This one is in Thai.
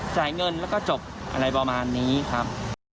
จ่ายเงินแล้วก็จบอะไรประมาณนี้ครับ